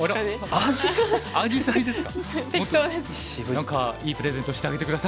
何かいいプレゼントしてあげて下さい。